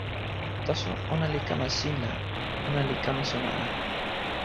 taso ona li kama sin la ona li kama sona ala.